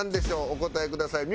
お答えください。